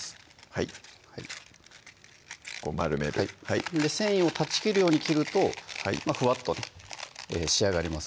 はいこう丸めるはい繊維を断ち切るように切るとふわっと仕上がります